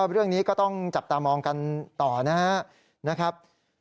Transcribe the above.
เรื่องนี้ก็ต้องจับตามองกันต่อนะครับ